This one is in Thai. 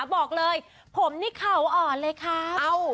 บอกเลยผมนี่เข่าอ่อนเลยครับ